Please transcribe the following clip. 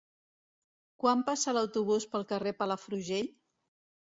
Quan passa l'autobús pel carrer Palafrugell?